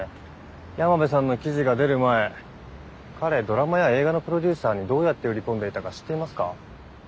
山辺さんの記事が出る前彼ドラマや映画のプロデューサーにどうやって売り込んでいたか知っていますか？